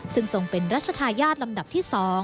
ซึ่งทรงเป็นรัชธาญาติลำดับที่๒